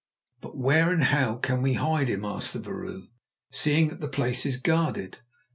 "But where and how can we hide him," asked the vrouw, "seeing that the place is guarded?"